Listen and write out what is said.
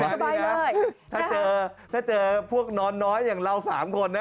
สบายเลยถ้าเจอถ้าเจอพวกนอนน้อยอย่างเรา๓คนนะ